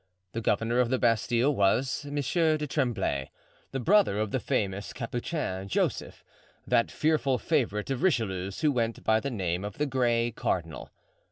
The governor of the Bastile was Monsieur du Tremblay, the brother of the famous Capuchin, Joseph, that fearful favorite of Richelieu's, who went by the name of the Gray Cardinal.